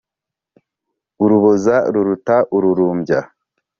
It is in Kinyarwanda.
Uruboza ruruta ururumbya.